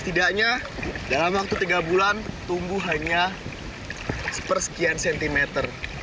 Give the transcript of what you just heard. setidaknya dalam waktu tiga bulan tumbuh hanya sepersekian sentimeter